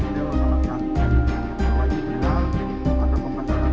banyak mengeluarkan darah